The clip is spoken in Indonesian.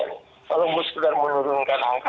kalau sudah menurunkan angka